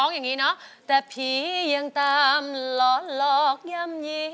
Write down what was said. อย่างนี้เนาะแต่ผียังตามหลอนหลอกย่ำยี